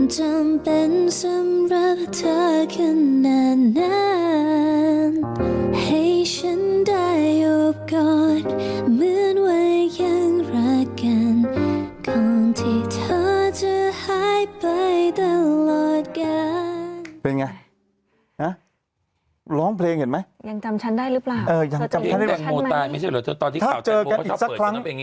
ใครโอบกอดเหมือนว่ายังรักกันเขาที่เธอจะหายไปตลอดกัน